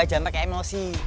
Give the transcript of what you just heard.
jangan takut emosi